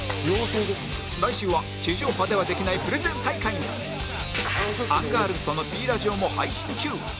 来週は地上波ではできないプレゼン大会アンガールズとの Ｐ ラジオも配信中